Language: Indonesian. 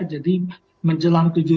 jadi menjelang tujuh